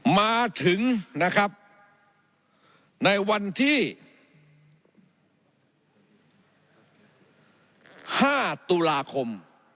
มาถึงในวันที่๕ตุลาคม